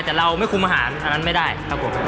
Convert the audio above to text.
แต่เราไม่คุมอาหารอันนั้นไม่ได้ครับผม